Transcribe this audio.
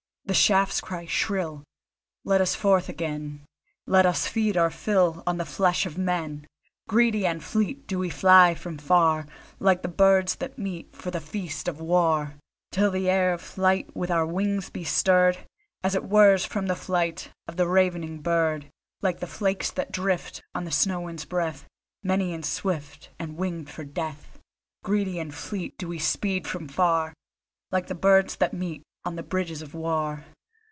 The shafts cry shrill: Let us forth again, Let us feed our fill On the flesh of men. Greedy and fleet Do we fly from far, Like the birds that meet For the feast of war, Till the air of fight With our wings be stirred, As it whirrs from the flight Of the ravening bird. Like the flakes that drift On the snow wind's breath, Many and swift, And winged for death— Greedy and fleet, Do we speed from far, Like the birds that meet On the bridge of war.